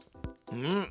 うん。